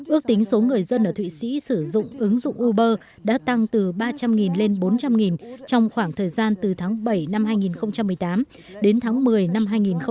ước tính số người dân ở thụy sĩ sử dụng ứng dụng uber đã tăng từ ba trăm linh lên bốn trăm linh trong khoảng thời gian từ tháng bảy năm hai nghìn một mươi tám đến tháng một mươi năm hai nghìn một mươi chín